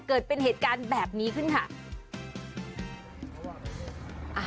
เกิดเป็นเหตุการณ์แบบนี้ขึ้นค่ะ